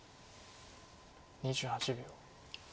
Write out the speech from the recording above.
２８秒。